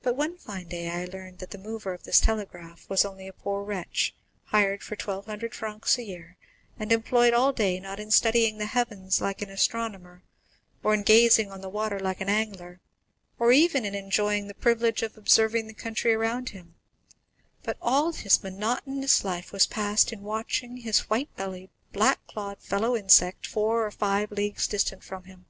But one fine day I learned that the mover of this telegraph was only a poor wretch, hired for twelve hundred francs a year, and employed all day, not in studying the heavens like an astronomer, or in gazing on the water like an angler, or even in enjoying the privilege of observing the country around him, but all his monotonous life was passed in watching his white bellied, black clawed fellow insect, four or five leagues distant from him.